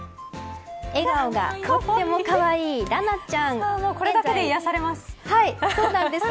笑顔がとってもかわいいこれだけで癒やされます。